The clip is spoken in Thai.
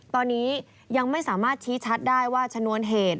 ตอนนี้ยังไม่สามารถชี้ชัดได้ว่าชนวนเหตุ